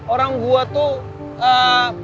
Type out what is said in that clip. orang gue tuh mikir lo tuh salah